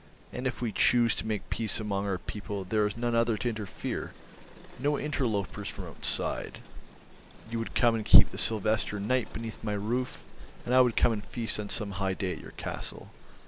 And if we choose to make peace among our people there is none other to interfere, no interlopers from outside ... You would come and keep the Sylvester night beneath my roof, and I would come and feast on some high day at your castle